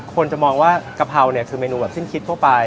คนจะมองว่ากะเพราเนี่ยคือเมนูแบบสิ้นคิดทั่วไป